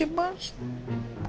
kamu kenapa sih mas